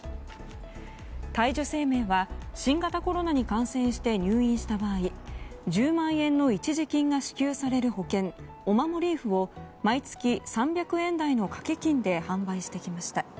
大樹生命は新型コロナに感染して入院した場合１０万円の一時金が支給される保険おまもリーフを毎月３００円台の掛け金で販売してきました。